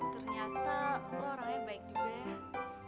ternyata aku orangnya baik juga ya